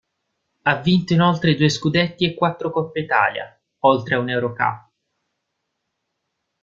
Ha vinto inoltre due scudetti e quattro Coppe Italia, oltre a un'Eurocup.